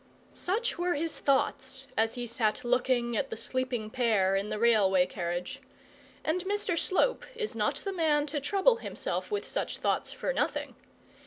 Such were his thoughts as he sat looking at the sleeping pair in the railway carriage, and Mr Slope is not the man to trouble himself with such thoughts for nothing.